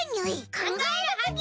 考えるはぎ！